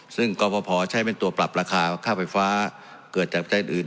ซึ่งกรพใช้เป็นตัวปรับราคาค่าไฟฟ้าเกิดจากประเทศอื่น